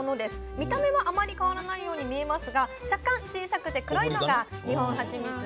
見た目はあまり変わらないように見えますが若干小さくて黒いのがニホンミツバチです。